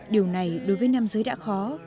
điều này đối với nam giới đã khó